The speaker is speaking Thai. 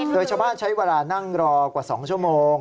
โดยชาวบ้านใช้เวลานั่งรอกว่า๒ชั่วโมง